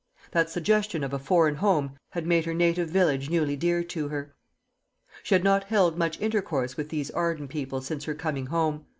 That suggestion of a foreign home had made her native village newly dear to her. She had not held much intercourse with these Arden people since her coming home.